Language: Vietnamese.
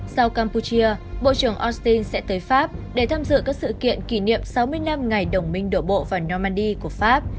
sau campuchia bộ trưởng austin sẽ tới pháp để tham dự các sự kiện kỷ niệm sáu mươi năm ngày đồng minh đổ bộ vào normandy của pháp